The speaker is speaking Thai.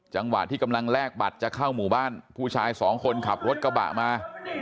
จังหวะที่กำลังแลกบัตรจะเข้าหมู่บ้านผู้ชายสองคนขับรถกระบะมา